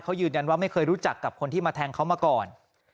เขายืนยันว่าไม่เคยรู้จักกับคนที่มาแทงเขามาก่อน